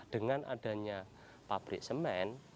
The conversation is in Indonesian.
dengan adanya pabrik semen